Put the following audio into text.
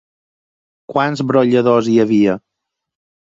Quants brolladors hi havia?